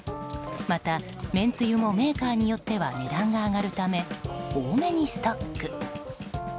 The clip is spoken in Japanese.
また、めんつゆもメーカーによっては値段が上がるため多めにストック。